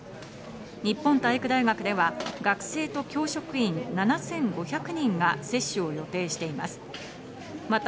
日本体育大学では学生と教職員７５００人が接種を予定しています。